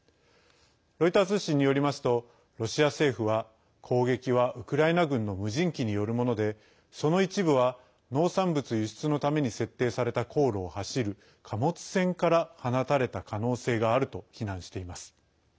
ロイター通信によりますとロシア政府は攻撃はウクライナ軍の無人機によるものでその一部は農産物輸出のために設定された航路を走る貨物船から放たれた可能性があると非難しています。